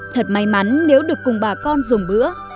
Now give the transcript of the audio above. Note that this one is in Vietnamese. thật may mắn nếu được cùng bà con dùng bữa